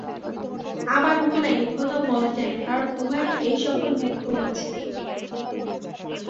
আবার উহা নাই, এ-কথাও বলা যায় না, কারণ উহাই এই-সকল ভেদ করিয়াছে।